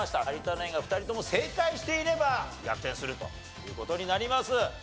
有田ナインが２人とも正解していれば逆転するという事になります。